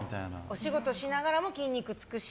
お仕事しながらも筋肉つくし